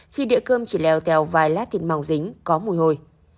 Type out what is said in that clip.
khi đĩa cơm chỉ leo theo vài lát thịt mỏng dính có mùi hôi